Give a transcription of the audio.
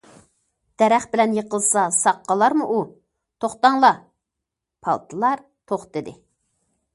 « دەرەخ بىلەن يىقىلسا، ساق قالارمۇ ئۇ، توختاڭلار»، پالتىلار توختىدى.